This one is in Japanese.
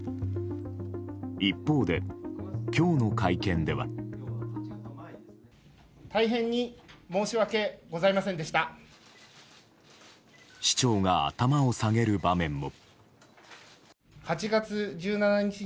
一方で、今日の会見では。市長が頭を下げる場面も。